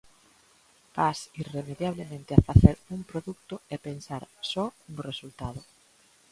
Vas irremediablemente a facer un produto e pensar só no resultado.